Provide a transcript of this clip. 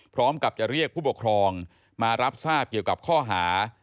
พร้อมกับจะเรียกผู้ปกครองมารับทราบเกี่ยวกับข้อหา